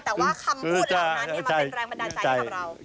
แต่ว่าคำพูดเหล่านั้นมาเป็นแรงบันดาลใจให้กับเรา